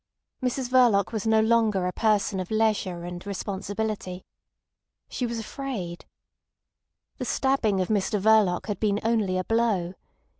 Mrs Verloc was no longer a person of leisure and responsibility. She was afraid. The stabbing of Mr Verloc had been only a blow.